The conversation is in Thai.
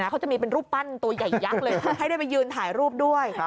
เขาจะมีเป็นรูปปั้นตัวใหญ่ยักษ์เลยให้ได้ไปยืนถ่ายรูปด้วย